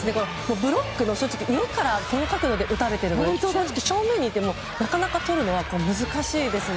ブロックの上から高角度で打たれているので正直、正面にいてもなかなか、とるのは難しいですね。